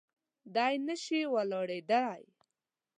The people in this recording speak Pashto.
دی نه شي ولاړېدای.